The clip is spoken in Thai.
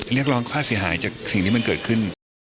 เรียกร้องค่าเสียหายจากสิ่งที่มันเกิดขึ้น